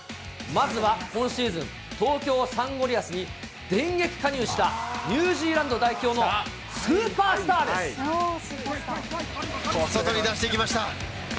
まずは今シーズン、東京サンゴリアスに電撃加入したニュージーランド代表のスーパー外に出していきました。